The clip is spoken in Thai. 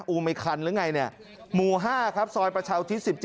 ไม่คันหรือไงเนี่ยหมู่๕ครับซอยประชาอุทิศ๑๗